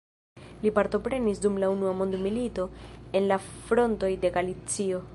Li partoprenis dum la unua mondmilito en la frontoj de Galicio.